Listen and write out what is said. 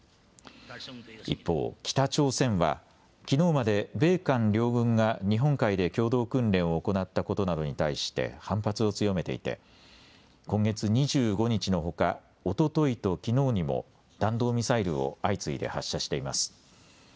一方、北朝鮮はきのうまで米韓両軍が日本海で共同訓練を行ったことなどに対して反発を強めていて今月２５日のほか、おとといときのうにも弾道ミサイルを相次いで発射しています。